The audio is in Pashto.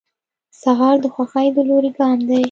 سهار د خوښۍ د لوري ګام دی.